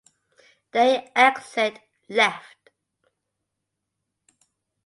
They exit left.